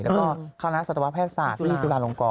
แล้วก็คณะศาสตร์ภาพแพทย์ศาสตร์ที่จุฬาลงกอง